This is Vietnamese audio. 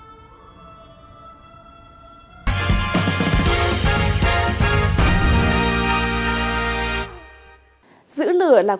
giữ lửa là cuốn sách có nội dung chọn lọc từ những bài xã luận chuyên luận bình luận